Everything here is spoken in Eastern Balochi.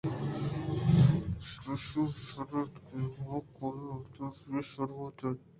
پرایشی ءَ پہ شر تراَت کہ آئی ءِ ہمکار اے دمان ءَ پر یشی ساڑی بوتیں اَنت